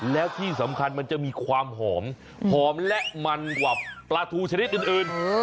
แล้วที่สำคัญมันจะมีความหอมหอมและมันกว่าปลาทูชนิดอื่น